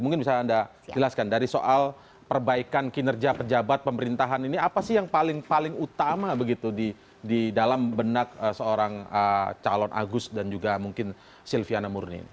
mungkin bisa anda jelaskan dari soal perbaikan kinerja pejabat pemerintahan ini apa sih yang paling utama begitu di dalam benak seorang calon agus dan juga mungkin silviana murni